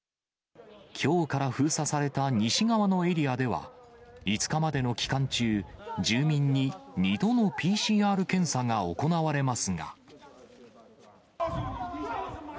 きょうから封鎖された西側のエリアでは、５日までの期間中、住民に２度のＰＣＲ検査が行われますが。